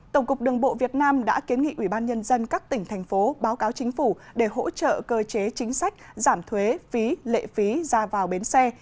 tổng cục đường bộ việt nam đã kiến nghị ubnd các tỉnh thành phố báo cáo chính phủ để hỗ trợ cơ chế chính sách giảm thuế phí lệ phí ra vào bến xe